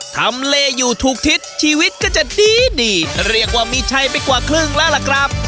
ทำเลอยู่ถูกทิศชีวิตก็จะดีดีเรียกว่ามีชัยไปกว่าครึ่งแล้วล่ะครับ